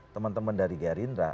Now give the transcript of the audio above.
teman teman dari gerindra